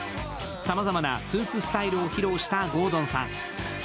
さまざまなスーツスタイルを披露した郷敦さん。